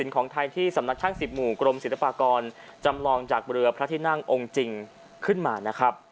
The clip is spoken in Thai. เราจัดแสดงใหนะที่มานะครับ